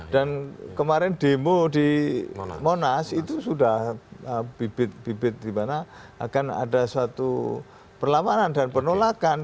dan kemarin demo di monas itu sudah bibit bibit dimana akan ada suatu perlawanan dan penolakan